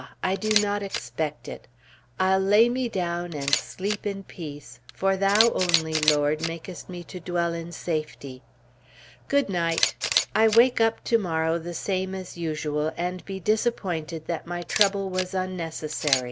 I do not expect it. "I'll lay me down and sleep in peace, for Thou only, Lord, makest me to dwell in safety." Good night! I wake up to morrow the same as usual, and be disappointed that my trouble was unnecessary.